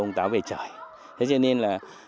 của ông táo về trời thế cho nên là